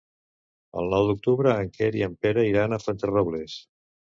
El nou d'octubre en Quer i en Pere iran a Fuenterrobles.